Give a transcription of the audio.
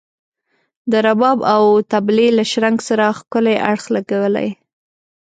د رباب او طبلي له شرنګ سره ښکلی اړخ لګولی.